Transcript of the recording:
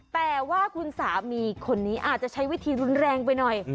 แต่ว่าคุณสามีคนนี้อาจจะใช้วิธีรุนแรงไปหน่อย